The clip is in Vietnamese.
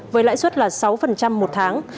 với lãi suất là sáu một tháng